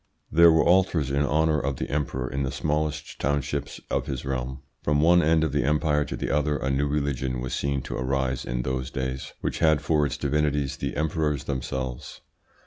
There were altars in honour of the Emperor in the smallest townships of his realm. "From one end of the Empire to the other a new religion was seen to arise in those days which had for its divinities the emperors themselves.